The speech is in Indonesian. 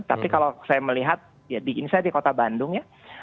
tapi kalau saya melihat ini saya di kota bandung ya